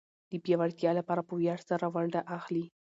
د پياوړتيا لپاره په وياړ سره ونډه اخلي.